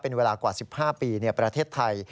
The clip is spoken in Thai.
เป็นเวลากว่า๑๕ปีในประเทศไทย